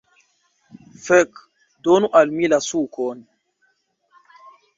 Fek' donu al mi la sukon